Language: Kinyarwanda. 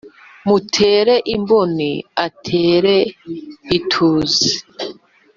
Mutere imboni antere ituze